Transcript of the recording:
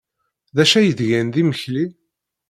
D acu ay d-gan d imekli?